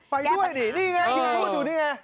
ไปด้วยนี่นี่ไงยืนพูดอยู่นี่ไง